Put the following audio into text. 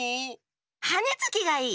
はねつきがいい！